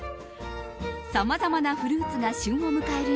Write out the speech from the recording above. さまざまなフルーツが旬を迎える